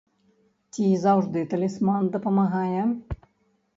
Ці заўжды талісман дапамагае?